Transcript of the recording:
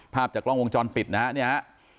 ภาพจากล้องวงจรปิดนะครับ